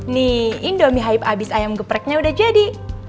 nih indomie hype abis ayam gepreknya udah jadi